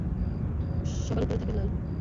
সবার ওপরে থাকে লাল।